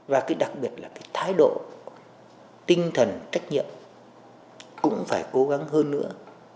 và cái đặc biệt là cái thái độ tinh thần trách nhiệm cũng phải cố gắng hơn nữa